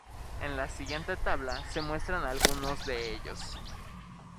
En la siguiente tabla se muestran algunos de ellos.